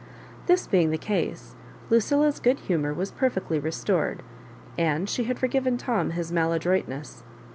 This being the case, Lucilla's good humour was perfectly restored, and she had forgiven Tom his mal adroitness.